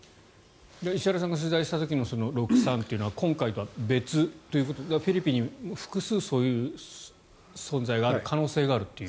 石原さんが取材した時の６３というのは今回とは別ということフィリピンに複数そういう存在がある可能性があるという。